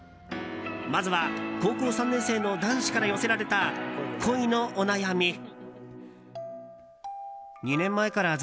まずは、高校３年生の男子から寄せられた恋のお悩み。